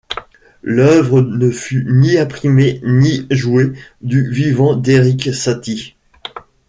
L’œuvre ne fut ni imprimée ni jouée du vivant d'Erik Satie.